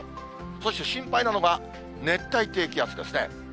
そして、心配なのが熱帯低気圧ですね。